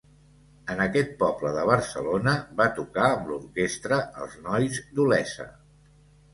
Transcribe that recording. En aquest poble de Barcelona va tocar amb l'orquestra Els Nois d'Olesa.